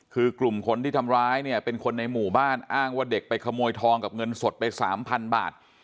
คือกลุ่มคนที่ทำร้ายเนี่ยเป็นคนในหมู่บ้านอ้างว่าเด็กไปขโมยทองกับเงินสดไปสามพันบาท